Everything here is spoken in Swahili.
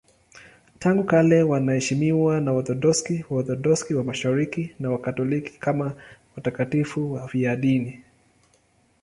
Tangu kale wanaheshimiwa na Waorthodoksi, Waorthodoksi wa Mashariki na Wakatoliki kama watakatifu wafiadini.